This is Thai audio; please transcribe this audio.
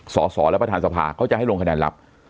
สอสอและประธานสภาเขาจะให้ลงคะแนนลับ